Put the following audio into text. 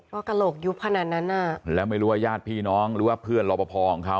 ก็กระโหลกยุบขนาดนั้นอ่ะแล้วไม่รู้ว่าญาติพี่น้องหรือว่าเพื่อนรอปภของเขา